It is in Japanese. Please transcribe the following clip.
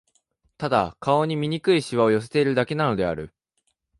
ただ、顔に醜い皺を寄せているだけなのである